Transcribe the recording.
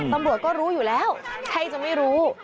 ตำรวจก็รู้อยู่แล้วใครจะไม่รู้